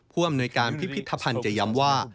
พ่วมในการพิพิธภัณฑ์จะย้ำว่า